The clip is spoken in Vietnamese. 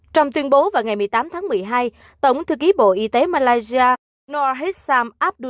trong tuyên bố vào ngày một mươi tám tháng một mươi hai tổng thư ký bộ y tế malaysia noor hissam